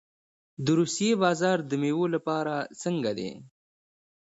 د روسیې بازار د میوو لپاره څنګه دی؟